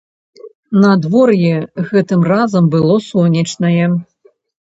Надвор'е гэтым разам было сонечнае.